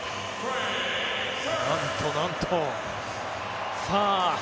なんとなんと。